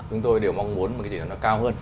chúng tôi đều mong muốn một cái gì đó nó cao hơn